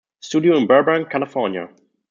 Studio in Burbank, California.